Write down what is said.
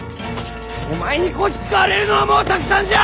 お前にこき使われるのはもうたくさんじゃ！